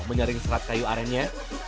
menyaring serat kayu arennya